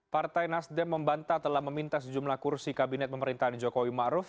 partai nasdem membantah telah meminta sejumlah kursi kabinet pemerintahan jokowi ma'ruf